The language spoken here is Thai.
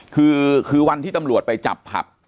คือคือวันที่ตำรวจไปจับผับ